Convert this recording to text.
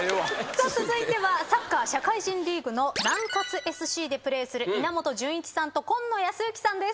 さあ続いてはサッカー社会人リーグの南ＳＣでプレーする稲本潤一さんと今野泰幸さんです。